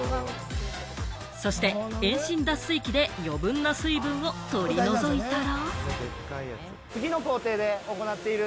そして、遠心脱水機で余分な水分を取り除いたら。